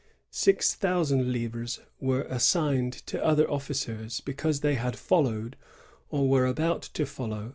Six thou sand livres were assigned to other officers because they had followed, or were about to follow.